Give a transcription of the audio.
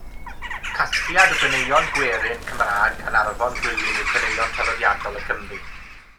Casgliad o ganeuon gwerin Cymraeg gan Arfon Gwilym yw Caneuon Traddodiadol y Cymry.